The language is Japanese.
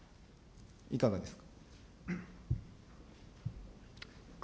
いかがですか。